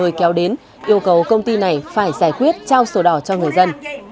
nơi kéo đến yêu cầu công ty này phải giải quyết trao số đỏ cho người dân